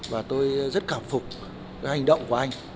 và tôi rất cảm phục cái hành động của anh